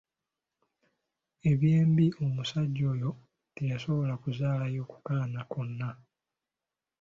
Eby'embi omusajja oyo teyasobola kuzaalayo ku kaana konna.